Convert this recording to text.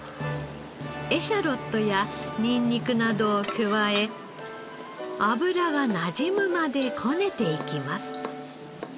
エシャロットやニンニクなどを加え脂がなじむまでこねていきます。